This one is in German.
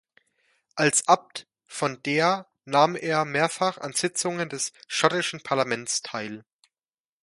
Als Abt von Deer nahm er mehrfach an Sitzungen des schottischen Parlaments teil.